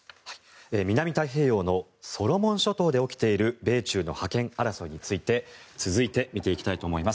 南太平洋のソロモン諸島で起きている米中の覇権争いについて続いて見ていきたいと思います。